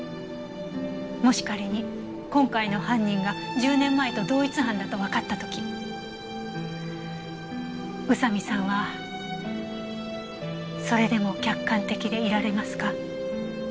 もし仮に今回の犯人が１０年前と同一犯だとわかった時宇佐見さんはそれでも客観的でいられますか？